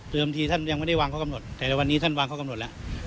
เวลาที่ท่านไม่ได้วางเคราะห์กำหนดแต่วันนี้ท่านวางเคราะห์กำหนดแล้ว